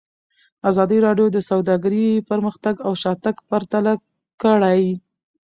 ازادي راډیو د سوداګري پرمختګ او شاتګ پرتله کړی.